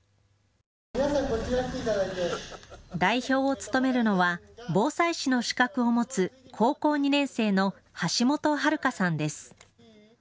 代表を務めるのは防災士の資格を持つ高校２年生の橋本玄さんです。